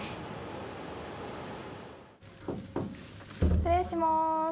失礼します。